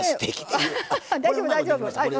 大丈夫、大丈夫。